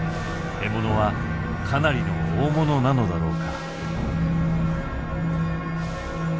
獲物はかなりの大物なのだろうか。